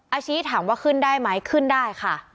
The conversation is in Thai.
อาชีพถามว่าขึ้นได้ไหมขึ้นได้ค่ะ